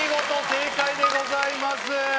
正解でございます。